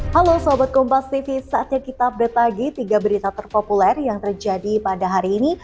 halo sobat kompas tv saatnya kita update lagi tiga berita terpopuler yang terjadi pada hari ini